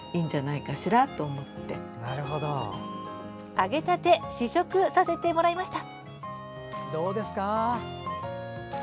揚げたて試食させてもらいました。